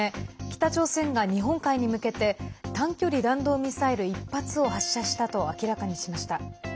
北朝鮮が日本海に向けて短距離弾道ミサイル１発を発射したと明らかにしました。